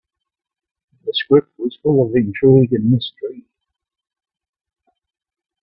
The script was full of intrigue and mystery.